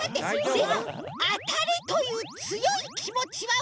でも「あたれ」というつよいきもちはもったまま。